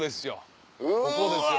ここですよ